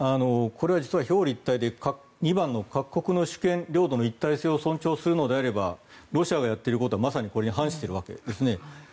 これは実は表裏一体で２番の各国の主権及び領土的一体性の尊重をするのであればロシアがやっていることはまさにこれに反していますね。